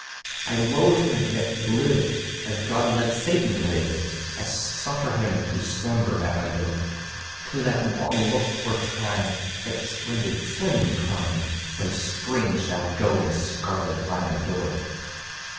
I loathe him, yet he lives; as God lets Satan live, I suffer him to slumber at my door, Till that long looked for time, that splendid sudden prime, When Spring shall go in scarlet by my door.